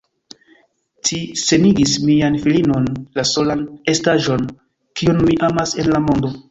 Ci senigis mian filinon, la solan estaĵon, kiun mi amas en la mondo.